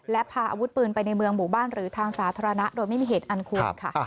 และพาอาวุธปืนไปในเมืองหมู่บ้านหรือทางสาธารณะโดยไม่มีเหตุอันควรค่ะ